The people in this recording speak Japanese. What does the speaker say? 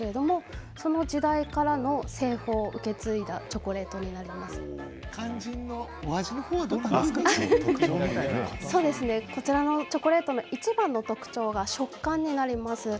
その時代からの製法を受け継いだ肝心のお味はこちらのチョコレートのいちばんの特徴は食感になります。